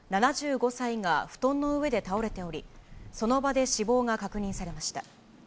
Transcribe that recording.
７５歳が布団の上で倒れており、その場で死亡が確認されました。